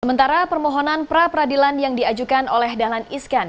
sementara permohonan pra peradilan yang diajukan oleh dahlan iskan